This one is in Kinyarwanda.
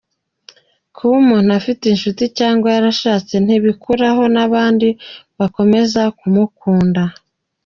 Kuba umuntu afite inshuti cyangwa yarashatse ntibikuraho n’abandi bakomeza kumukunda.